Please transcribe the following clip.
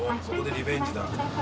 そこでリベンジだ。